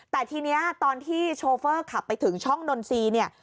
แต่ทีนี้ตอนที่โชเฟอร์ขับไปถึงช่องนอนซี